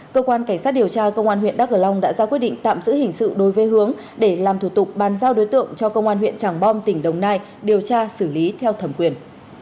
cơ quan cảnh sát điều tra công an huyện đắk cờ long đã ra quyết định tạm giữ hình sự đối với hướng để làm thủ tục bàn giao đối tượng cho công an huyện tràng bom tỉnh đồng nai điều tra xử lý theo thẩm quyền